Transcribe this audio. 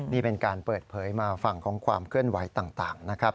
นี่เป็นการเปิดเผยมาฝั่งของความเคลื่อนไหวต่างนะครับ